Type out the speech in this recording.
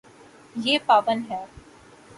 یے پاون ہے